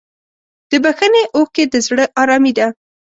د بښنې اوښکې د زړه ارامي ده.